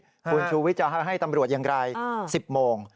คุณชูวิทย์จะให้ตำรวจอย่างไร๑๐โมง